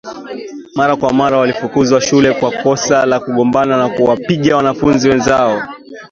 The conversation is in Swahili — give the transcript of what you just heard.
Mara kwa mara walifukuzwa shule kwa kosa la kugombana na kuwapiga wanafunzi wenzao